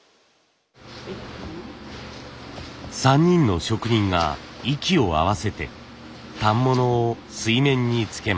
３人の職人が息を合わせて反物を水面につけます。